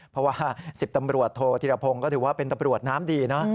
เพราะว่า๑๐ตำรวจโทษธิรพงศ์ก็ถือว่าเป็นตำรวจน้ำดีนะ